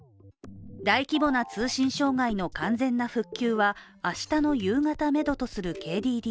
大規模な通信障害の完全な復旧は明日の夕方めどとするＫＤＤＩ。